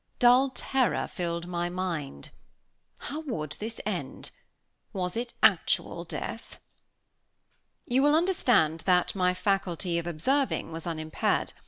Dull terror filled my mind. How would this end? Was it actual death? You will understand that my faculty of observing was unimpaired.